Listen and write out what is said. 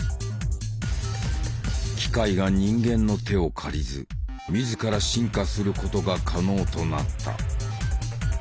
機械が人間の手を借りず自ら進化することが可能となった。